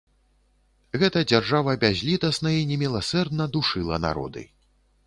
Гэта дзяржава бязлітасна і неміласэрна душыла народы.